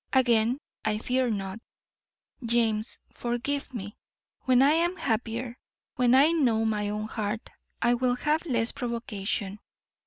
Again I fear not. James, forgive me. When I am happier, when I know my own heart, I will have less provocation.